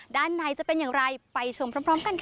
ด้านในจะเป็นอย่างไรไปชมพร้อมกันค่ะ